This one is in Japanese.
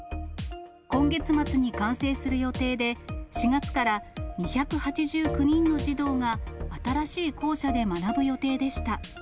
今月末に完成する予定で、４月から２８９人の児童が新しい校舎で学ぶ予定でした。